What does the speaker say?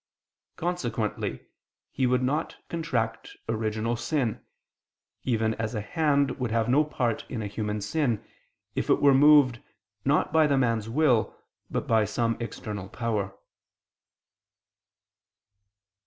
Consequently he would not contract original sin: even as a hand would have no part in a human sin, if it were moved, not by the man's will, but by some external power.